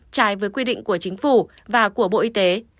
trái với quy định của chính phủ và của bộ y tế